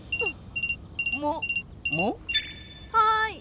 はい！